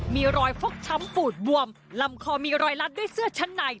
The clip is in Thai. มีรอยฟกช้ำปูดบวมลำคอมีรอยลัดด้วยเสื้อชั้นใน